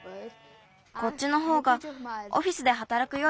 こっちのほうがオフィスではたらくよりいいな。